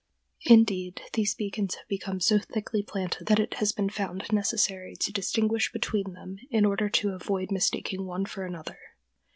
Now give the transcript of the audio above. ] Indeed, these beacons have become so thickly planted that it has been found necessary to distinguish between them in order to avoid mistaking one for another.